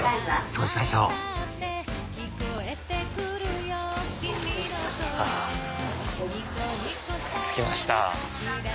そうしましょうあ着きました。